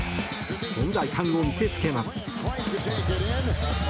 存在感を見せつけます。